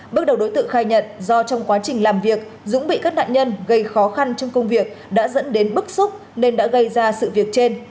bước đầu đối tượng khai nhận do trong quá trình làm việc dũng bị các nạn nhân gây khó khăn trong công việc đã dẫn đến bức xúc nên đã gây ra sự việc trên